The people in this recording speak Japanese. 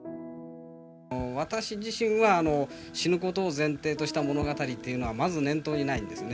私自身は、死ぬことを前提とした物語っていうのは、まず念頭にないんですね。